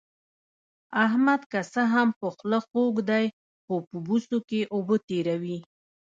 احمد که څه هم په خوله خوږ دی، خو په بوسو کې اوبه تېروي.